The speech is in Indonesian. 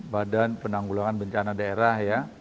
badan penanggulangan bencana daerah